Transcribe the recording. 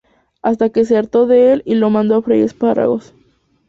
Hasta que se hartó de él y lo mandó a freír espárragos